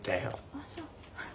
あっそう。